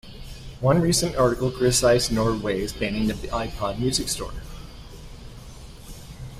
One recent article criticized Norway's banning of the iPod music store.